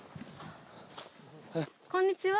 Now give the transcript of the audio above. こんにちは。